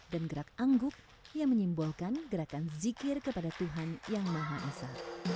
dan gerak angguk yang menyimbolkan gerakan zikir kepada tuhan yang maha esa